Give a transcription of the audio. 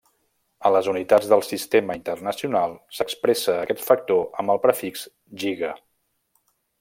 A les unitats del Sistema Internacional s'expressa aquest factor amb el prefix giga-.